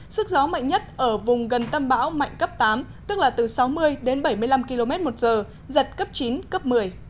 sức gió mạnh nhất ở vùng gần tâm bão mạnh cấp tám tức là từ sáu mươi đến bảy mươi năm km một giờ giật cấp chín cấp một mươi